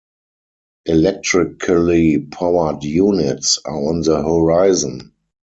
Electrically powered units are on the horizon.